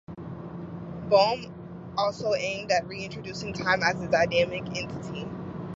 Bohm also aimed at re-introducing time as a dynamic entity.